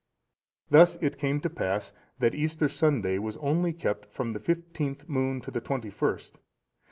Thus it came to pass, that Easter Sunday was only kept from the fifteenth moon to the twenty first.